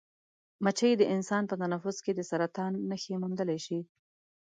مچۍ د انسان په تنفس کې د سرطان نښې موندلی شي.